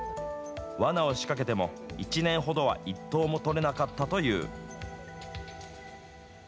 わなを仕掛けても、１年ほどは１頭も捕れなかったという。